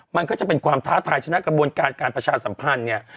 มันก็จะเป็นความท้าทายชนะกระบวนการการประชาสัมพันธ์เนี่ย